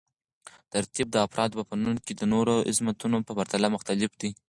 ترتیب د افرادو په فنون کې د نورو عظمتونو په پرتله مختلف دی.